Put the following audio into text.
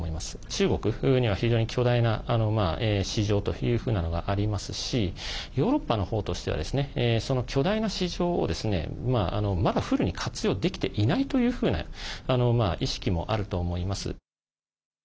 中国には、非常に巨大な市場というふうなのがありますしヨーロッパの方としてはその巨大な市場を、まだフルに活用できていないというふうな意識もあると思います。